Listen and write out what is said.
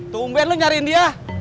tumpen lu nyariin dia